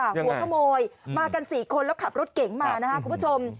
หัวขโมยมากัน๔คนแล้วขับรถเก๋งมานะครับคุณผู้ชม